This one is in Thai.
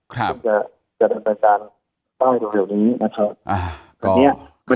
ซึ่งจะเป็นบรรยารต้องให้อยู่แบบนี้นะครับ